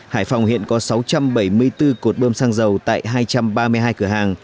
hải phòng hiện có sáu trăm bảy mươi bốn cột bơm xăng dầu tại hai trăm ba mươi hai cửa hàng